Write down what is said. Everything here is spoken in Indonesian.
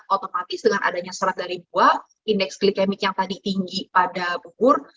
otomatis dengan adanya serat dari buah indeks glikemik yang tadi tinggi pada bubur